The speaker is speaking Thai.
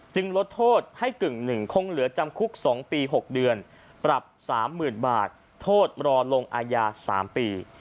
ลดโทษให้กึ่งหนึ่งคงเหลือจำคุก๒ปี๖เดือนปรับ๓๐๐๐บาทโทษรอลงอาญา๓ปี